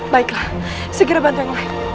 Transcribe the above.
baiklah segera bantu yang lain